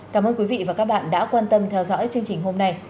cảm ơn quý vị và các bạn đã quan tâm theo dõi chương trình hôm nay